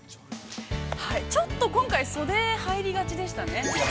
◆ちょっと今回、袖入りがちでしたね。